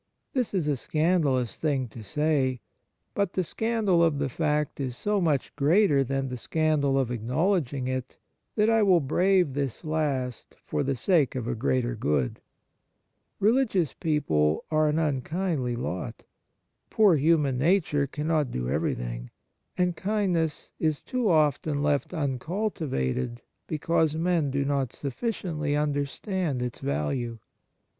This is a scandalous thing to say ; but the scandal of the fact is so much greater than the scandal of acknowledging it, that I will brave this last for the sake of a greater good. Religious people are an unkindly lot. Poor human nature cannot do every thing ; and kindness is too often left un cultivated because men do not sufficiently understand its value.